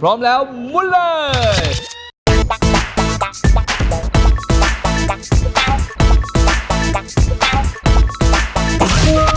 พร้อมแล้วมุนเลย